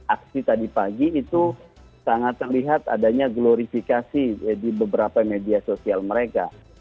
aksi tadi pagi itu sangat terlihat adanya glorifikasi di beberapa media sosial mereka